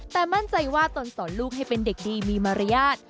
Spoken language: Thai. แต่มั่นใจว่าตนสอนลูกให้เป็นเด็กดีมีมารยาท